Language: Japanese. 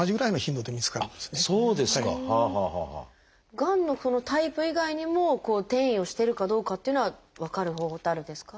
がんのタイプ以外にも転移をしてるかどうかっていうのは分かる方法ってあるんですか？